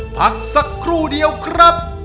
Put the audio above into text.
พักสักครู่เดียวครับ